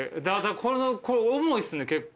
これ重いっすね結構。